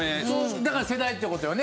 だから世代って事よね。